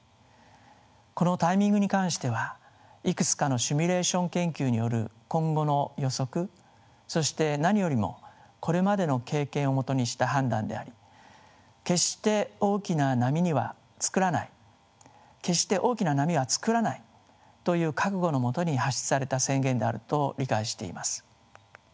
このタイミングに関してはいくつかのシミュレーション研究による今後の予測そして何よりもこれまでの経験を基にした判断であり決して大きな波は作らないという覚悟のもとに発出された宣言であると理解しています。